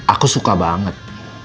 aku suka banget